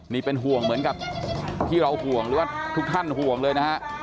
นี่เป็นห่วงเหมือนกับที่เราห่วงหรือว่าทุกท่านห่วงเลยนะฮะ